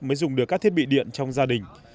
mới dùng được các thiết bị điện trong gia đình